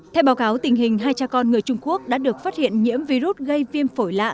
theo báo cáo tình hình hai cha con người trung quốc đã được phát hiện nhiễm virus gây viêm phổi lạ